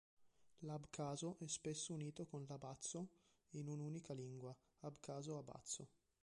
L'abcaso è spesso unito con l'abazo in un'unica lingua, Abcaso-Abazo.